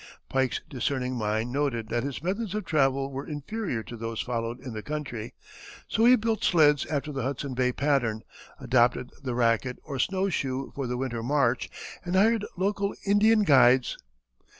] Pike's discerning mind noted that his methods of travel were inferior to those followed in the country, so he built sleds after the Hudson Bay pattern, adopted the racket or snow shoe for the winter march, and hired local Indian guides.